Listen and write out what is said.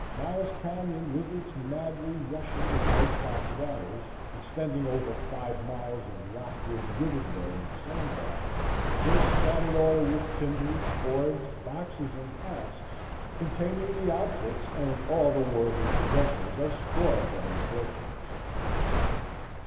Miles Canyon, with its madly rushing, white capped waters, extending over five miles of rock ribbed river bed and sand bar, was scattered o'er with timbers, boards, boxes and casks containing the outfits and all the worldly possessions of scores of unfortunates.